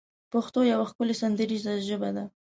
پښتو يوه ښکلې سندريزه ژبه ده